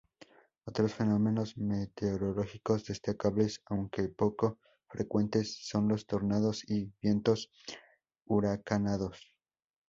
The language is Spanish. Otros fenómenos meteorológicos destacables, aunque poco frecuentes, son los tornados y vientos huracanados.